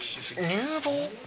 乳房？